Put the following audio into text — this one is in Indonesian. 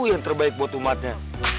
yang terbaik buat umatnya